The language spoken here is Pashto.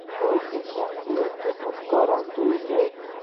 کور د شخصیت ښکارندوی دی.